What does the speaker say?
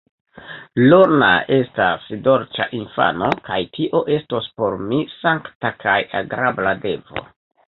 Lorna estas dolĉa infano, kaj tio estos por mi sankta kaj agrabla devo.